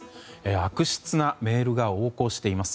悪質なメールが横行しています。